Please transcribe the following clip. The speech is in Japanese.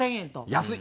安い！